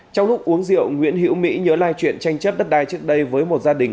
trong lúc uống rượu nguyễn hiễu mỹ nhớ lại chuyện tranh chấp đất đai trước đây với một gia đình